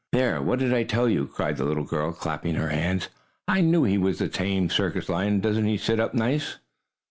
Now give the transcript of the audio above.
"There! What did I tell you?" cried the little girl, clapping her hands. "I knew he was the tame, circus lion! Doesn't he sit up nice?"